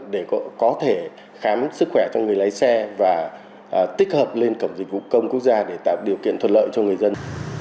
để có thể khám sức khỏe cho người lái xe và tích hợp lên cổng dịch vụ công quốc gia để tạo điều kiện thuận lợi cho người dân